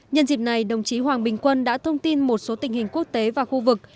nhân dịp này đồng chí hoàng bình quân đã thông tin một số tình hình quốc tế và khu vực